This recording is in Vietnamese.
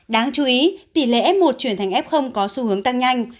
đáng chú ý tỷ lệ f một chuyển thành f có xu hướng tăng nhanh